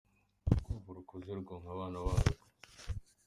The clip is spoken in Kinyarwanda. Urukwavu rukuze rwonka abana barwo.